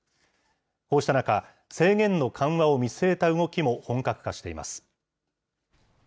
こうした中、制限の緩和を見据えた動きも本格化しています。